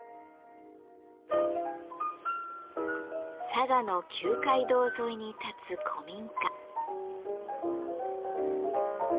佐賀の旧街道沿いに立つ古民家。